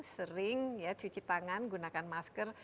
sering ya cuci tangan gunakan masker